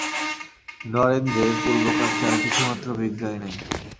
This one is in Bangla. নরেন্দ্রের পূর্বকার চাল কিছুমাত্র বিগড়ায় নাই।